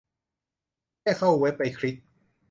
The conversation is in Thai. แค่เข้าเว็บไปคลิก